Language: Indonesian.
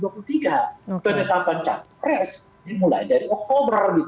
penetapan capres dimulai dari oktober